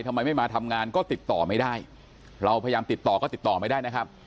ทำไมไม่มาทำงานก็ติดต่อไม่ได้เราพยายามติดต่อก็ติดต่อไม่ได้นะครับ